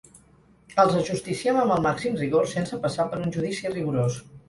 Els ajusticiem amb el màxim rigor sense passar per un judici rigorós.